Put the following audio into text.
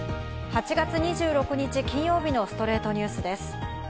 ８月２６日、金曜日の『ストレイトニュース』です。